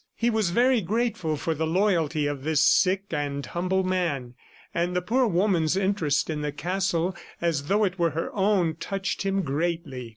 He was very grateful for the loyalty of this sick and humble man, and the poor woman's interest in the castle as though it were her own, touched him greatly.